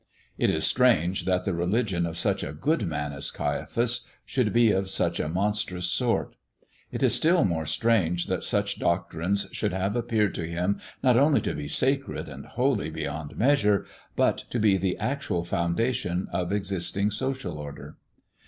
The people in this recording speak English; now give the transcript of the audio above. It is strange that the religion of such a good man as Caiaphas should be of such a monstrous sort; it is still more strange that such doctrines should have appeared to him not only to be sacred and holy beyond measure, but to be the actual foundation of existing social order.